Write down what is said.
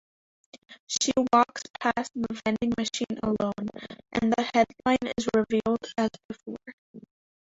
She walks past the vending machine alone, and the headline is revealed as before.